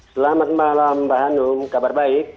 selamat malam mbak hanum kabar baik